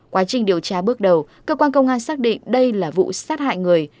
quá trình điều tra bước đầu cơ quan công an xác định đây là vụ sát hại người